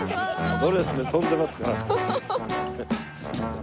ドレスで跳んでますから。